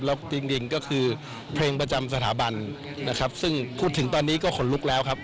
แล้วจริงก็คือเพลงประจำสถาบันนะครับซึ่งพูดถึงตอนนี้ก็ขนลุกแล้วครับ